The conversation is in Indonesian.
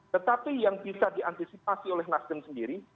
tetapi yang bisa diantisipasi oleh nasdem sendiri